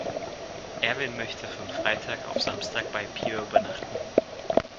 Erwin möchte von Freitag auf Samstag bei Peer übernachten.